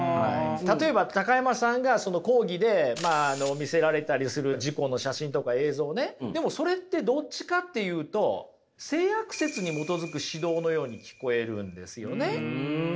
例えば高山さんがその講義で見せられたりする事故の写真とか映像ねでもそれってどっちかっていうと性悪説に基づく指導のように聞こえるんですよね。